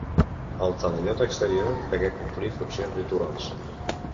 El talaiot exterior degué complir funcions rituals.